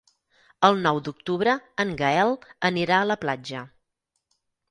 El nou d'octubre en Gaël anirà a la platja.